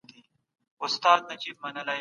هغوی اوس نوي معلومات لولي.